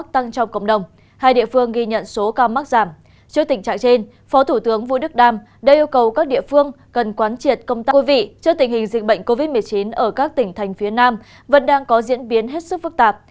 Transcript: trước tình hình dịch bệnh covid một mươi chín ở các tỉnh thành phía nam vẫn đang có diễn biến hết sức phức tạp